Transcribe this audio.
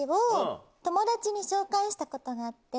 したことがあって。